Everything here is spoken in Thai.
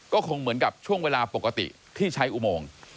ก็คงเหมือนกับช่วงเวลาปกติที่ใช้อุโมง